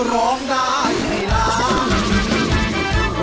ร้องได้ไงล่ะ